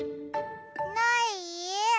ない？